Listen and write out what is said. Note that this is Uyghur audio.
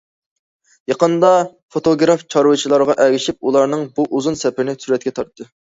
يېقىندا، فوتوگراف چارۋىچىلارغا ئەگىشىپ ئۇلارنىڭ بۇ ئۇزۇن سەپىرىنى سۈرەتكە تارتتى.